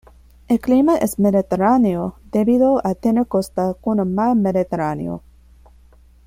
El clima es Mediterráneo debido a tener costa con el mar Mediterráneo.